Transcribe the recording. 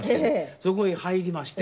そこへ入りまして。